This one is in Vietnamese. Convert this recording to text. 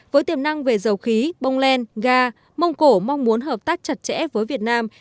với tiềm năng về dầu khí bông lan ga mông cổ mong muốn hợp tác chặt chẽ với việt nam